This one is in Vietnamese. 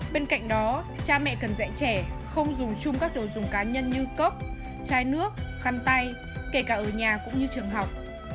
bên cạnh đó cha mẹ cần dạy trẻ không dùng chung các đồ dùng cá nhân như cốc chai nước khăn tay kể cả ở nhà cũng như trường học